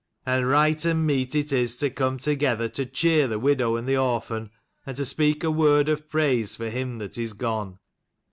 " And right and meet it is to come together to cheer the widow and the orphan, and to speak a word of praise for him that is gone."